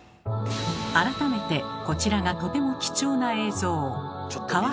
改めてこちらがとても貴重な映像。